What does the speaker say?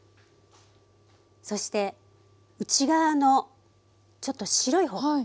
そして内側のちょっと白い方。